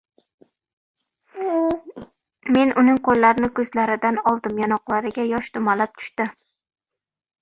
Men uning qoʻllarini koʻzlaridan oldim. Yonoqlariga yosh dumalab tushdi